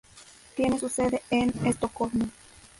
Tiene su sede en Estocolmo.